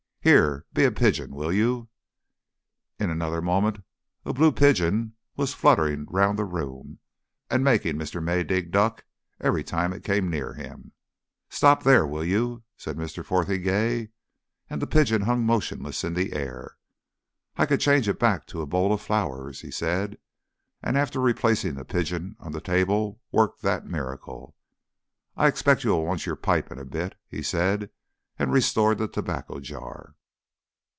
Here! be a pigeon, will you?" In another moment a blue pigeon was fluttering round the room and making Mr. Maydig duck every time it came near him. "Stop there, will you," said Mr. Fotheringay; and the pigeon hung motionless in the air. "I could change it back to a bowl of flowers," he said, and after replacing the pigeon on the table worked that miracle. "I expect you will want your pipe in a bit," he said, and restored the tobacco jar.